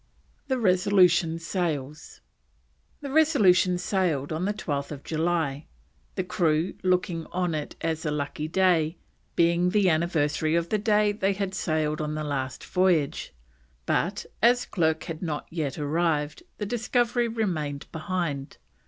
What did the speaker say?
THE RESOLUTION SAILS. The Resolution sailed on 12th July, the crew looking on it as a lucky day, being the anniversary of the day they had sailed on the last voyage; but as Clerke had not yet arrived, the Discovery remained behind.